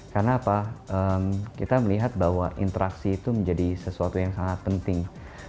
karena apa kita melihat bahwa interaksi itu menjadi sesuatu yang sangat penting